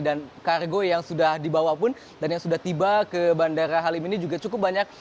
dan kargo yang sudah dibawa pun dan yang sudah tiba ke bandara halim ini juga cukup banyak